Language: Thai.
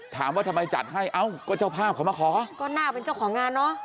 ถามว่าทำไมจัดให้เอ้าก็เจ้าภาพเขามาขอก็น่าเป็นเจ้าของงานเนอะ